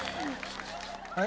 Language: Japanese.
はい。